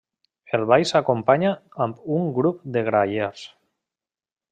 El ball s'acompanya amb un grup de grallers.